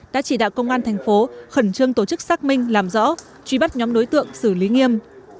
đã chỉ đạo công an thành phố khẩn trương tổ chức xác minh làm rõ truy bắt nhóm đối tượng xử lý nghiêm